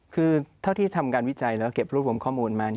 คือเท่าที่ทำการวิจัยแล้วก็เก็บรวบรวมข้อมูลมา